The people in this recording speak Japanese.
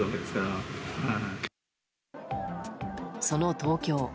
その東京。